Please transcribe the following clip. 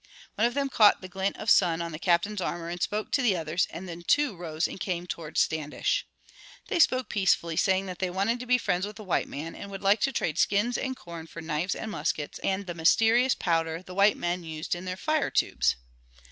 One of them caught the glint of sun on the Captain's armor and spoke to the others, and then two rose and came towards Standish. They spoke peacefully, saying that they wanted to be friends with the white men, and would like to trade skins and corn for knives and muskets and the mysterious powder the white men used in their "fire tubes."